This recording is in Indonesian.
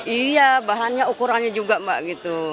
iya bahannya ukurannya juga mbak gitu